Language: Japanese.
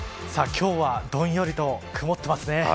今日はどんよりと曇ってますね。